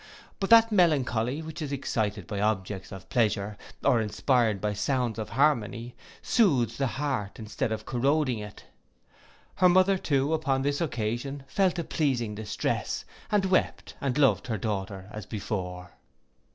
But that melancholy, which is excited by objects of pleasure, or inspired by sounds of harmony, sooths the heart instead of corroding it. Her mother too, upon this occasion, felt a pleasing distress, and wept, and loved her daughter as before.